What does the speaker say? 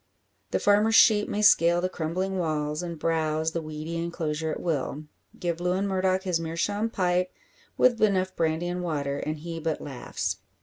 The farmer's sheep may scale the crumbling walls, and browse the weedy enclosure at will; give Lewin Murdock his meerschaum pipe, with enough brandy and water, and he but laughs.